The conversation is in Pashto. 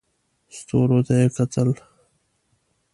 ستورو ته یې کتل.